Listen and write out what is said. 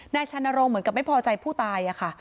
นายชะนรงค์เหมือนกับไม่พอใจผู้ตายอะค่ะ